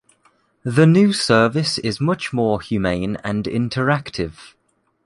The new service is much more humane and interactive.